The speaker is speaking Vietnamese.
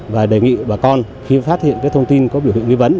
và đề nghị bà con khi phát hiện cái thông tin có biểu hiện nguy vấn